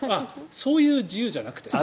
そういう自由じゃなくてさ。